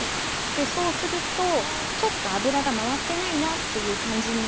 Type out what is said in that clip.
そうするとちょっと油が回ってないなっていう感じになりますので。